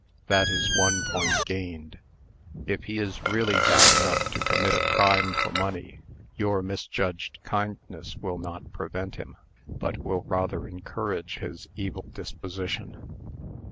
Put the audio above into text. That is one point gained. If he is really bad enough to commit a crime for money, your misjudged kindness will not prevent him, but will rather encourage his evil disposition."